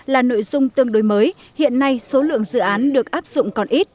là nội dung tương đối mới hiện nay số lượng dự án được áp dụng còn ít